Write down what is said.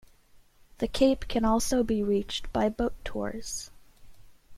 The cape can also be reached by boat tours.